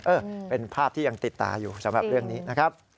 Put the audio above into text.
เออเป็นภาพที่ยังติดตาอยู่สำหรับเรื่องนี้นะครับ